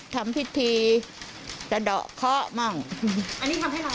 ทำพิธีสะดอกเคาะมั่งอันนี้ทำให้เรา